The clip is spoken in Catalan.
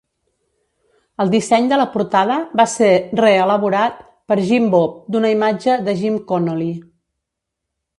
El disseny de la portada va ser reelaborat per Jim Bob d'una imatge de Jim Connolly.